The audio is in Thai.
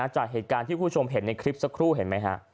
จากเหตุการณ์ที่คุณผู้ชมเห็นในคลิปสักครู่เห็นไหมฮะ